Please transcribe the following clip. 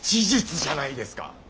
事実じゃないですか！